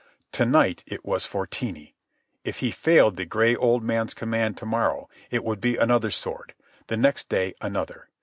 To night it was Fortini. If he failed the gray old man's command to morrow it would be another sword, the next day another.